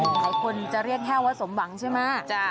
หลายคนจะเรียกแค่ว่าสมหวังใช่ไหม